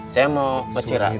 saya mau bercerai